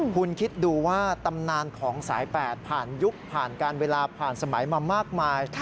คุณคิดดูว่าตำนานของสาย๘ผ่านยุคผ่านการเวลาผ่านสมัยมามากมาย